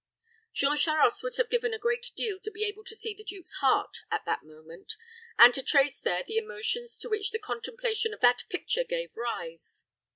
Jean Charost would have given a great deal to be able to see the duke's heart at that moment, and to trace there the emotions to which the contemplation of that picture gave rise.